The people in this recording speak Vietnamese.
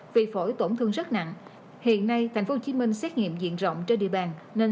vì phổi tổn thương rất nặng hiện nay thành phố hồ chí minh xét nghiệm diện rộng trên địa bàn nên